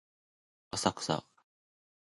浅草